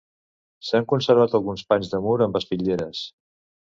S'han conservat alguns panys de mur amb espitlleres.